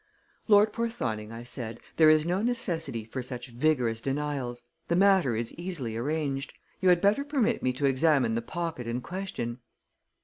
"Lord Porthoning," I said, "there is no necessity for such vigorous denials. The matter is easily arranged. You had better permit me to examine the pocket in question."